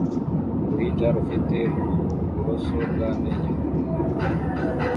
uruhinja rufite uburoso bw'amenyo mu mwobo